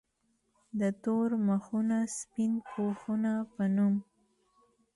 د “ تور مخونه سپين پوښونه ” پۀ نوم